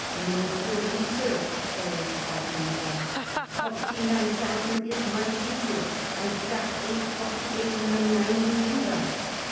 "No, sir_ee_, sir," Harris Rabin bawled. "Forty nine thousand is my figure, and that ain't forty eight nine ninety nine neither."